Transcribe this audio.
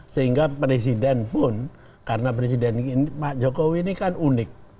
sehingga presiden pun karena presiden pak jokowi ini kan unik